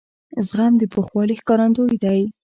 زغم د پوخوالي ښکارندوی دی.